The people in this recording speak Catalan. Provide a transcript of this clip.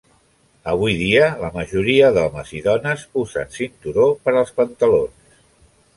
Avui dia, la majoria d'homes i dones usen cinturó per als pantalons.